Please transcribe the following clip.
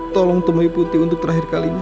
tolong temui putih untuk terakhir kali ini